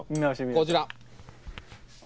こちら。